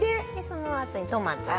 そのあとにトマト。